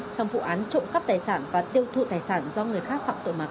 trong vụ án trộm cắp tài sản và tiêu thụ tài sản do người khác phạm tội mà có